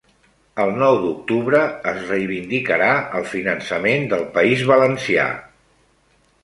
El Nou d'Octubre es reivindicarà el finançament del País Valencià